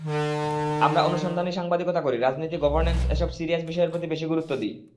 আমরা অনুসন্ধানী সাংবাদিকতা করি, রাজনীতি, গভর্ন্যান্স—এসব সিরিয়াস বিষয়ের প্রতি বেশি গুরুত্ব দিই।